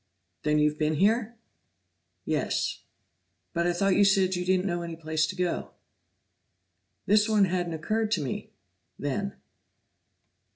"Then you've been here?" "Yes." "But I thought you said you didn't know any place to go." "This one hadn't occurred to me then."